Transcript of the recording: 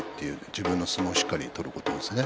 自分の相撲をしっかり取ることですね。